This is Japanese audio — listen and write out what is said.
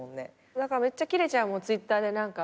だからめっちゃキレちゃうもんＴｗｉｔｔｅｒで。